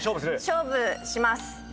勝負します。